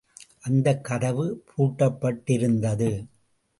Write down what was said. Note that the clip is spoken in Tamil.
அந்தக் கதவு பூட்டப்பட்டிருந்தது.